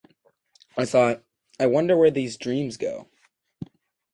I thought, 'I wonder where these dreams go.